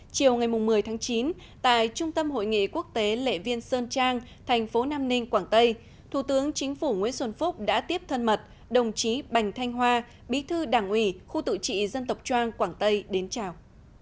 chiều ngày một mươi tháng chín tại trung tâm hội nghị quốc tế lệ viên sơn trang thành phố nam ninh quảng tây thủ tướng chính phủ nguyễn xuân phúc đã tiếp thân mật đồng chí bành thanh hoa bí thư đảng ủy khu tự trị dân tộc trang quảng tây đến chào